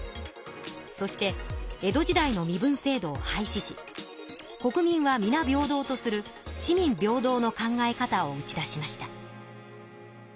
そして江戸時代の身分制度を廃止し国民はみな平等とする四民平等の考え方を打ち出しました。